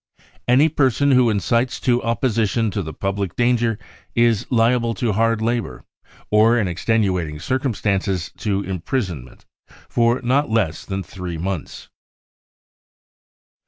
" Any person who incites to opposition to the public danger is liable to hard labour, or in extenuating cir cumstances to imprisonment, for not less than three months.